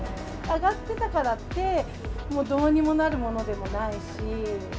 上がってたからって、どうにもなるものでもないし。